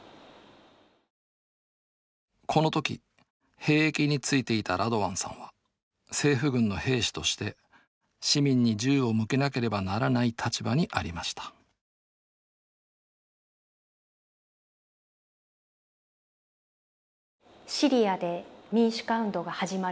この時兵役についていたラドワンさんは政府軍の兵士として市民に銃を向けなければならない立場にありましたシリアで民主化運動が始まるわけです。